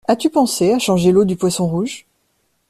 As-tu pensé à changer l'eau du poisson rouge?